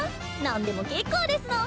何でも結構ですの！